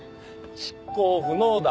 執行不能だ。